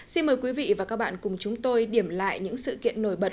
xin mời quý vị và các bạn cùng chúng tôi điểm lại những sự kiện nổi bật